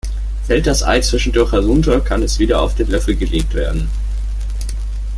Fällt das Ei zwischendurch herunter, kann es wieder auf den Löffel gelegt werden.